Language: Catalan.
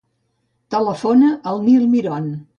Telefona al Nil Miron.